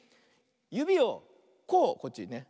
ゆびをこうこっちにね。